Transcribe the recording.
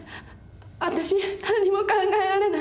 あたし何も考えられない。